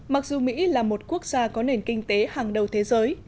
mặc dù mỹ là một quốc gia có nền kinh tế hàng đầu thế giới